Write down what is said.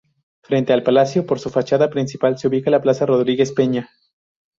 Frente al Palacio, por su fachada principal se ubica la Plaza Rodríguez Peña.